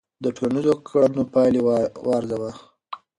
د ټولنیزو کړنو پایلې وارزوه.